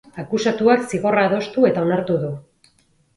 Akusatuak zigorra adostu eta onartu du.